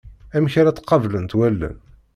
Amek ara tt-qablent wallen.